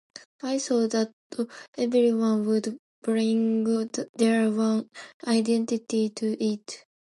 I thought that everyone would bring their own identity to it.